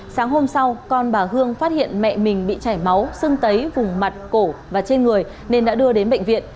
sáng hôm sau con bà hương phát hiện mẹ mình bị chảy máu sưng tấy vùng mặt cổ và trên người nên đã đưa đến bệnh viện